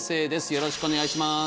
よろしくお願いします